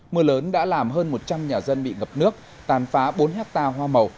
mưa lớn đã làm hơn một trăm linh nhà dân bị ngập nước tàn phá bốn hectare hoa màu